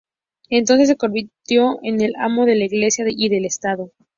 Entonces se convirtió en el amo de la iglesia y del estado.